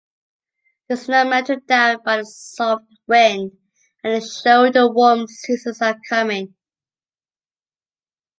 The snow melted down by the soft wind, and it showed the warm seasons are coming.